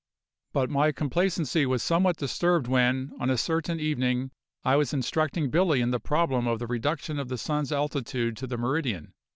But my complacency was somewhat disturbed when, on a certain evening, I was instructing Billy in the problem of the reduction of the sun's altitude to the meridian.